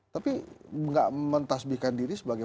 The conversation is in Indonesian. tapi nggak mentasbihkan diri sebagai